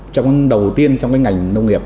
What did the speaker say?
trong đầu tiên trong cái ngành nông nghiệp